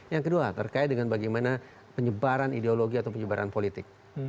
yang kedua terkait dengan bagaimana penyebaran ideologi atau penyebaran politik